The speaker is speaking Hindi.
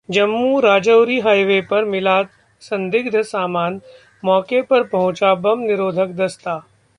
जम्मू-राजौरी हाइवे पर मिला संदिग्ध सामान, मौके पर पहुंचा बम निरोधक दस्ता